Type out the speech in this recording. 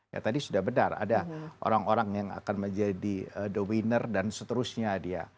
ya tadi sudah benar ada orang orang yang akan menjadi the winner dan seterusnya dia